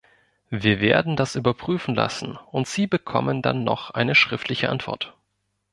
Wir werden das überprüfen lassen, und Sie bekommen dann noch eine schriftliche Antwort.